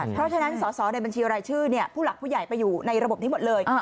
เพราะฉะนั้นสอสอในบัญชีรายชื่อผู้หลักผู้ใหญ่ไปอยู่ในระบบนี้หมดเลย